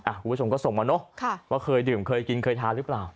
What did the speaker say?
คุณผู้ชมก็ส่งมาเนอะว่าเคยดื่มเคยกินเคยทานหรือเปล่า